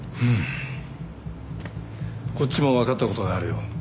こっちも分かったことがあるよ。